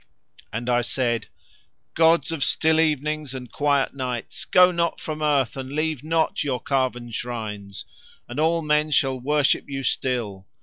And I said:— 'Gods of still evenings and quiet nights, go not from earth and leave not Your carven shrines, and all men shall worship You still.